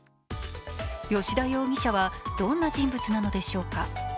吉田容疑者は、どんな人物なのでしょうか。